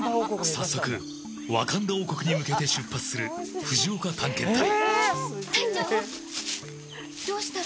早速、ワカンダ王国に向けて出発する藤岡探検隊。